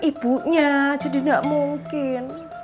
ibunya jadi gak mungkin